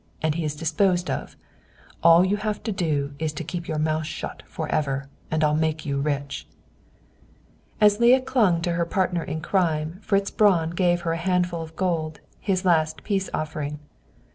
And he is disposed of! All you have to do is to keep your mouth shut forever. I will make you rich." As Leah clung to her partner in crime, Fritz Braun gave her a handful of gold his last peace offering.